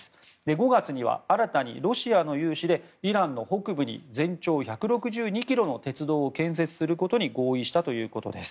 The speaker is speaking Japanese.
５月には新たにロシアの融資でイランの北部に全長１６２ｋｍの鉄道を建設することに合意したということです。